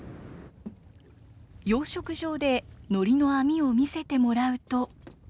養殖場で、のりの網を見せてもらうと。